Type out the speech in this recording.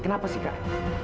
kenapa sih kak